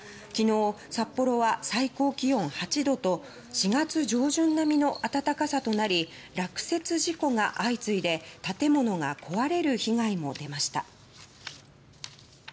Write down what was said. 昨日、札幌は最高気温８度と４月上旬並みの暖かさとなり落雪事故が相次いで建物が壊れる被害も出ました。